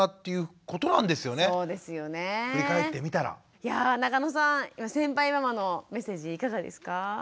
いや中野さん先輩ママのメッセージいかがですか？